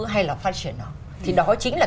hay là phát triển nó thì đó chính là